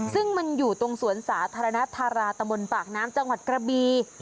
ซึ่งมันอยู่ตรงสวนสาธารณธาราตะมนต์ปากน้ำจังหวัดกระบี